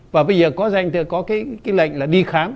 và bây giờ có danh tức có cái lệnh là đi khám